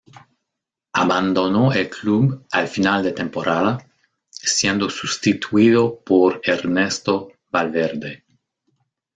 Abandonó el club al final de temporada, siendo sustituido por Ernesto Valverde.